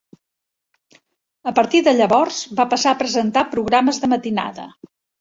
A partir de llavors, va passar a presentar programes de matinada.